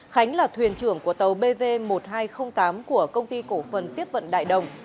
khánh là thuyền trưởng của tàu bv một nghìn hai trăm linh tám của công ty cổ phần tiếp vận đại đồng